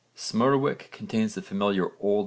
Smerwick contains the familiar O.N.